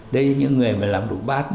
đây là những người làm đục bát